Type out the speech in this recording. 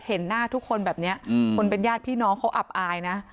เห็นหน้าทุกคนแบบนี้คนเป็นญาติพี่น้องเขาอับอายนะ